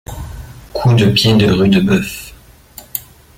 Coup de pied de Rudebeuf.